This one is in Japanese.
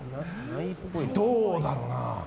どうだろうなあ。